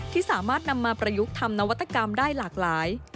ที่สามารถนำมาประยุกต์ทำนวัตกรรมได้หลากหลาย